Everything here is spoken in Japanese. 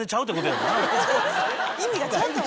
意味がちゃんと。